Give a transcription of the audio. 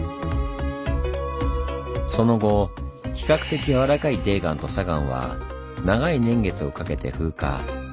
その後比較的やわらかい泥岩と砂岩は長い年月をかけて風化。